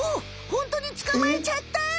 ホントにつかまえちゃった！